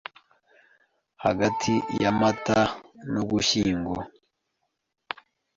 hagati ya Mata n’Ugushyingo.